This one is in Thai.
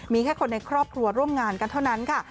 มีแค่คนในครอบครัวร่วมงานกันเท่านั้นค่ะ